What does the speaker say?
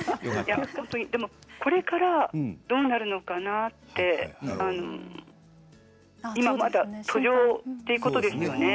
これからどうなるのかなって今まだ途中ということですよね。